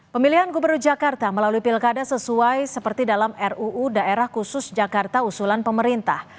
pemilihan gubernur jakarta melalui pilkada sesuai seperti dalam ruu daerah khusus jakarta usulan pemerintah